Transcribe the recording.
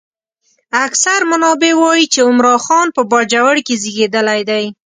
اکثر منابع وايي چې عمرا خان په باجوړ کې زېږېدلی دی.